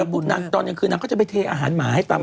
พี่เรียกกับคู่ลำไย